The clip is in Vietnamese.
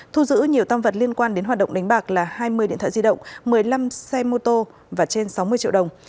thu giữ nhiều tam vật liên quan đến hoạt động đánh bạc là hai mươi điện thoại di động một mươi năm xe mô tô và trên sáu mươi triệu đồng